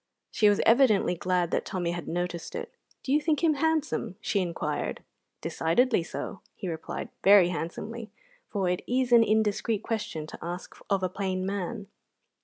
She was evidently glad that Tommy had noticed it. "Do you think him handsome?" she inquired. "Decidedly so," he replied, very handsomely, for it is an indiscreet question to ask of a plain man.